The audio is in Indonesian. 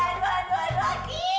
aduh aduh aduh aki